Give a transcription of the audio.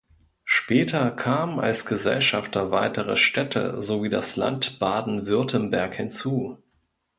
Später kamen als Gesellschafter weitere Städte sowie das Land Baden-Württemberg hinzu.